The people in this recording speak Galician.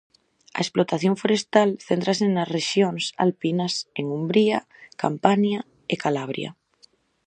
A explotación forestal céntrase nas rexións alpinas, en Umbria, Campania e Calabria.